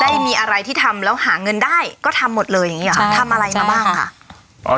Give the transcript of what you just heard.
ได้มีอะไรที่ทำแล้วหาเงินได้ก็ทำหมดเลยอย่างนี้หรอค่ะทำอะไรมาบ้างค่ะอ๋อ